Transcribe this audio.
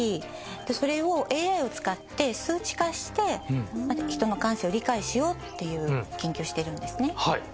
それをＡＩを使って数値化して人の感性を理解しようっていう研究をしてるんですね。